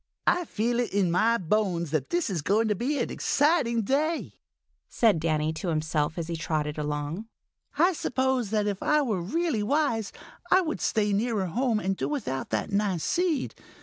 "I feel it in my bones that this is going to be an exciting day," said Danny to himself as he trotted along. "I suppose that if I were really wise, I would stay nearer home and do without that nice seed.